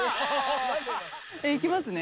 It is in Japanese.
いきますね。